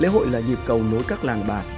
lễ hội là dịp cầu nối các làng bản